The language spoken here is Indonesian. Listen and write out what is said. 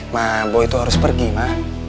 ma gue itu harus pergi ma